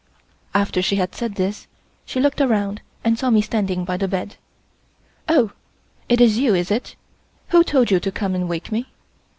After she had said this, she looked around and saw me standing by the bed. "Oh! it is you, is it? Who told you to come and wake me?"